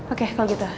oke kalau gitu